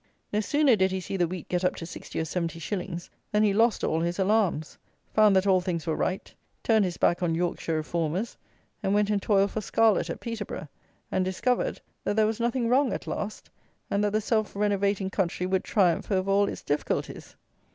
No sooner did he see the wheat get up to sixty or seventy shillings than he lost all his alarms; found that all things were right, turned his back on Yorkshire Reformers, and went and toiled for Scarlett at Peterborough: and discovered, that there was nothing wrong, at last, and that the "self renovating country" would triumph over all its difficulties!